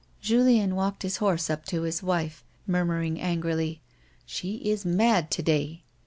Julien walked his horse up to his wife, murmuring angrily : "She is mad to day."